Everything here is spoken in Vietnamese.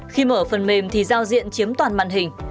khi mở phần mềm thì giao diện chiếm toàn màn hình